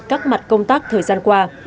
các mặt công tác thời gian qua